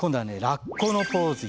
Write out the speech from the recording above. ラッコのポーズ。